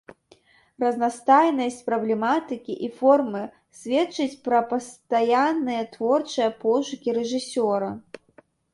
Разнастайнасць праблематыкі і формы сведчыць пра пастаянныя творчыя пошукі рэжысёра.